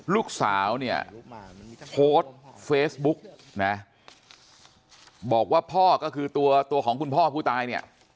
ลูกสาวโพสเฟซบุ๊คบอกว่าพ่อก็คือตัวของคุณพ่อผู้ตาย